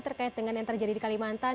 terkait dengan yang terjadi di kalimantan